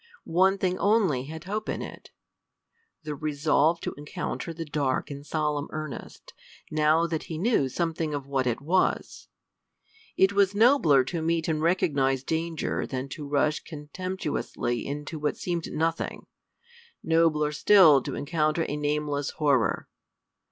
One thing only had hope in it the resolve to encounter the dark in solemn earnest, now that he knew something of what it was. It was nobler to meet and recognize danger than to rush contemptuously into what seemed nothing nobler still, to encounter a nameless horror.